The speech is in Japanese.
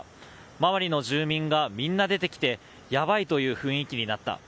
周りの住民がみんな出てきてやばいという雰囲気になった。